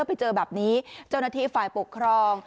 ไปเจอแบบนี้เจ้าหน้าที่ฝ่ายปกครอง